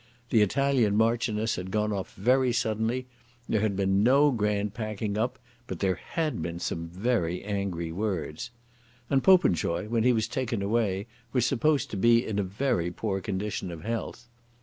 The Italian Marchioness had gone off very suddenly. There had been no grand packing up; but there had been some very angry words. And Popenjoy, when he was taken away, was supposed to be in a very poor condition of health.